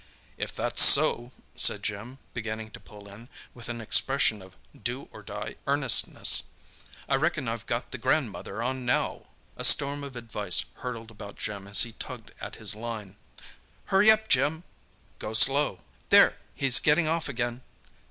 "If that's so," said Jim, beginning to pull in, with an expression of "do or die" earnestness, "I reckon I've got the grandmother on now!" A storm of advice hurtled about Jim as he tugged at his line. "Hurry up, Jim!" "Go slow!" "There—he's getting off again!"